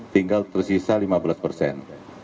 tinggal tersisa lima belas persen